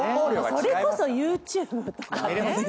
それこそＹｏｕＴｕｂｅとかね。